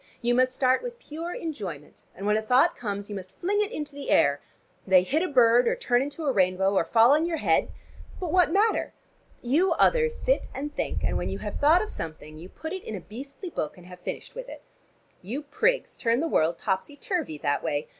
You must start with pure enjoyment, and when a thought comes, you must fling it into the air. They hit a bird, or turn into a rainbow, or fall on your head but what matter? You others sit and think, and when you have thought of something you put it in a beastly book, and have finished with it. You prigs turn the world topsy turvy that way.